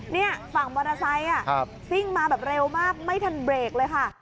นี่ฝั่งมอเตอร์ไซค์ซิ่งมาแบบเร็วมากไม่ทันเบรกเลยค่ะ